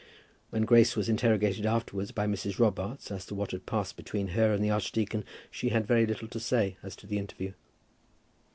When Grace was interrogated afterwards by Mrs. Robarts as to what had passed between her and the archdeacon she had very little to say as to the interview.